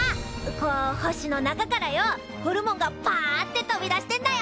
こう星の中からよおホルモンがパァッて飛び出してんだよ。